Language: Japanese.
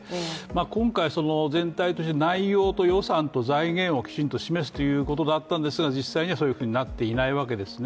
今回、全体として内容と予算と財源をきちんと示すということだったんですが実際にはそういうふうになっていないわけですね。